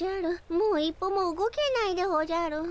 もう一歩も動けないでおじゃる。